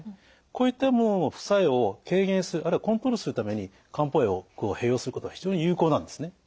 こういったものの副作用を軽減するあるいはコントロールするために漢方薬を併用することは非常に有効なんですね。